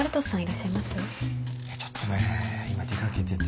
ちょっとね今出掛けてて。